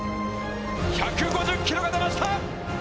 １５０キロが出ました！